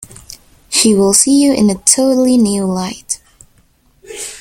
She will see you in a totally new light.